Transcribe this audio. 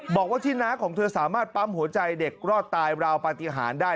บอกว่าที่น้าของเธอสามารถปั๊มหัวใจเด็กรอดตายราวปฏิหารได้